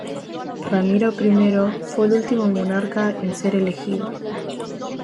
Ramiro I fue el último monarca en ser elegido.